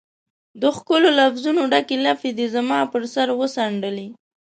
د ښکلو لفظونو ډکي لپې دي زما پر سر وڅنډلي